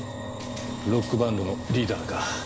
ロックバンドのリーダーか。